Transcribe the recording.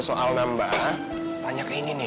soal nambah tanya ke ini nih